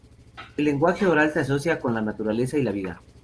El lenguaje oral se asocia con la naturaleza y la vida.